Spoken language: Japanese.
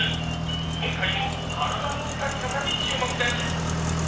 今回も体の使い方に注目です！